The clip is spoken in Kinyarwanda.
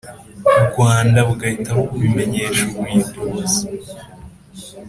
Rwanda bugahita bubimenyesha ubuyobozi